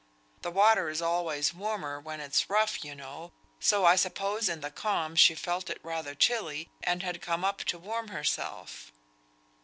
The water is always warmer when it's rough, you know, so I suppose in the calm she felt it rather chilly, and had come up to warm herself."